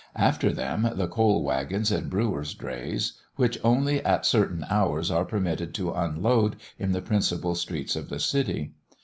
After them, the coal waggons and brewer's drays, which only at certain hours are permitted to unload in the principal streets of the city.